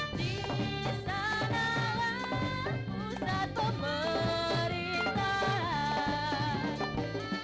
di sanalah pusat pemerintahan